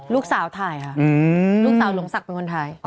ลูกสาวถ่ายค่ะลูกสาวหลวงศักดิ์เป็นคนถ่าย